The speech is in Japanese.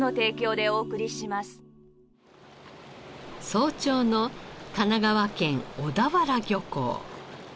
早朝の神奈川県小田原漁港。